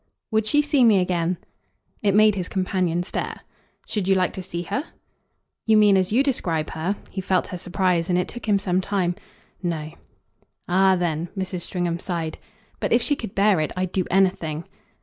"Would she see me again?" It made his companion stare. "Should you like to see her?" "You mean as you describe her?" He felt her surprise, and it took him some time. "No." "Ah then!" Mrs. Stringham sighed. "But if she could bear it I'd do anything."